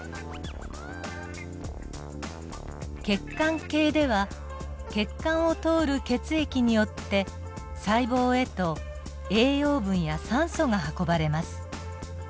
血管系では血管を通る血液によって細胞へと栄養分や酸素が運ばれます。